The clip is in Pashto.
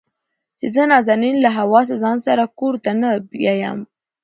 چې زه نازنين له حواسه ځان سره کور ته نه بيايم.